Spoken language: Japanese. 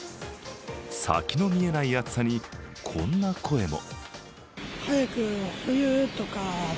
先の見えない暑さに、こんな声も。